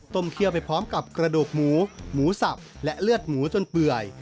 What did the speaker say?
เคี่ยวไปพร้อมกับกระดูกหมูหมูสับและเลือดหมูจนเปื่อย